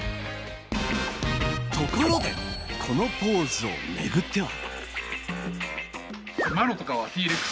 ところでこのポーズを巡っては。